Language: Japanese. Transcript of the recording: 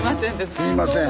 すいません。